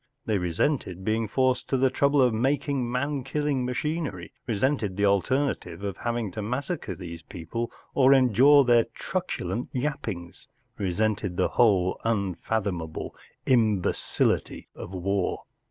They resented being forced to the trouble of making man killing machinery; resented the alternative of having to massacre these people or endure their truculent yappings ; resented the whole unfathomable imbecility of w'ar.